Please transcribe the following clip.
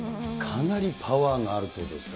かなりパワーがあるということですか？